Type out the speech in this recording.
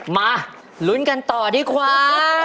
มาลุ้นกันต่อดีกว่า